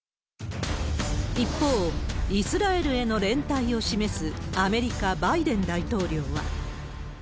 一方、イスラエルへの連帯を示すアメリカ、バイデン大統領は。